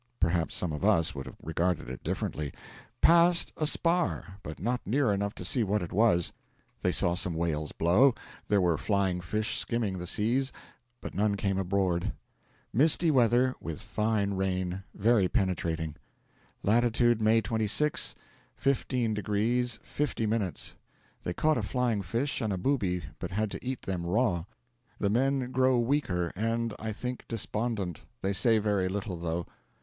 Perhaps some of us would have regarded it differently. 'Passed a spar, but not near enough to see what it was.' They saw some whales blow; there were flying fish skimming the seas, but none came aboard. Misty weather, with fine rain, very penetrating. Latitude, May 26, 15 degrees 50 minutes. They caught a flying fish and a booby, but had to eat them raw. 'The men grow weaker, and, I think, despondent; they say very little, though.'